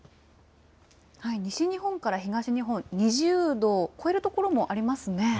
西日本から東日本、２０度を超える所もありますね。